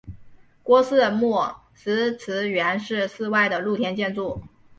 郭氏墓石祠原是室外的露天建筑。